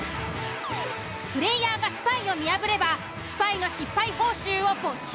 プレイヤーがスパイを見破ればスパイの失敗報酬を没収。